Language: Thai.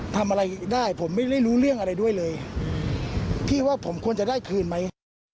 ทำอะไรได้ผมไม่ได้รู้เรื่องอะไรด้วยเลยพี่ว่าผมควรจะได้คืนไหม